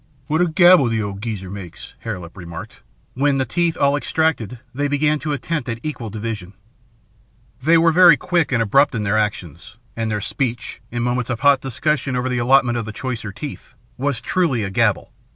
"What a gabble the old geezer makes," Hare Lip remarked, when, the teeth all extracted, they began an attempt at equal division. They were very quick and abrupt in their actions, and their speech, in moments of hot discussion over the allotment of the choicer teeth, was truly a gabble.